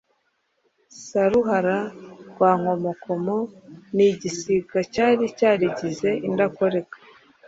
Saruhara rwa Nkomokomo ni igisiga cyari cyarigize indakoreka,